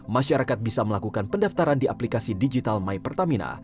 masyarakat bisa melakukan pendaftaran di aplikasi digital my pertamina